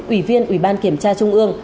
ủy viên ủy ban kiểm tra trung ương